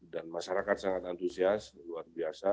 dan masyarakat sangat antusias luar biasa